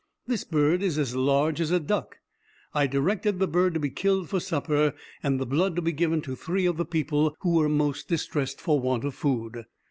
This bird is as large as a duck. I directed the bird to be killed for supper, and the blood to be given to three of the people who were most distressed for want of food.